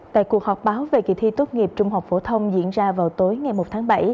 tại cuộc họp báo về kỳ thi tốt nghiệp trung học phổ thông diễn ra vào tối ngày một tháng bảy